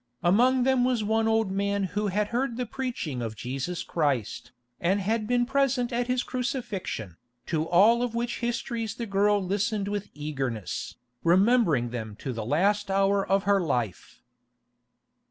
Among them was one old man who had heard the preaching of Jesus Christ, and been present at His Crucifixion, to all of which histories the girl listened with eagerness, remembering them to the last hour of her life.